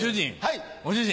ご主人。